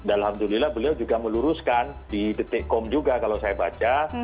alhamdulillah beliau juga meluruskan di detik kom juga kalau saya baca